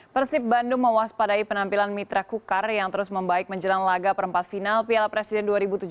persib bandung mewaspadai penampilan mitra kukar yang terus membaik menjelang laga perempat final piala presiden dua ribu tujuh belas